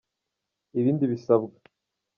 Ibindi bisabwa